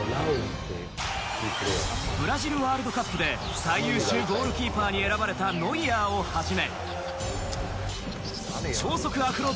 ブラジルワールドカップで最優秀ゴールキーパーに選ばれたノイアーをはじめ超速アフロ